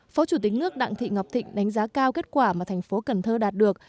phó chủ tịch nước đặng thị ngọc thịnh đánh giá cao kết quả mà thành phố cần thơ đạt được